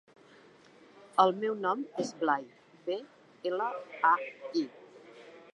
El meu nom és Blai: be, ela, a, i.